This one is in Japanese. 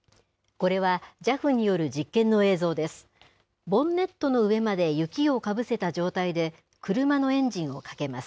これは、ＪＡＦによる実験の映像です。